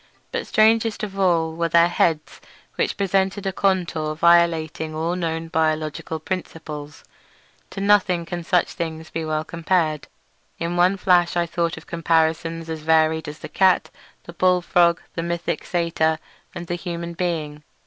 But strangest of all were their heads, which presented a contour violating all known biological principles. To nothing can such things be well compared—in one flash I thought of comparisons as varied as the cat, the bulldog, the mythic Satyr, and the human being.